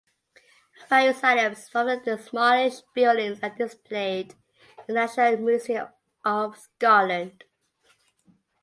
Various items from the demolished buildings are displayed in the National Museum of Scotland.